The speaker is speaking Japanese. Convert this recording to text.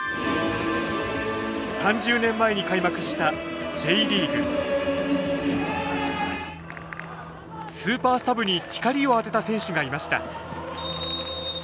３０年前に開幕したＪリーグスーパーサブに光を当てた選手がいました